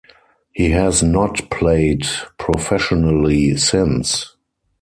He has not played professionally since.